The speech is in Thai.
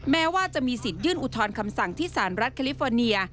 แม้ว่าจะมีสิทธิยื่นอุทธรณ์คำสั่งที่สารรัฐแคลิฟอร์เนีย